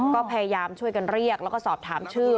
ก็พยายามช่วยกันเรียกแล้วก็สอบถามชื่อ